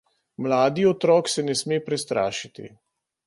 Mladi otrok se ne sme prestrašiti.